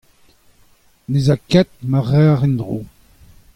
Ne'z a ket ma c'harr en-dro.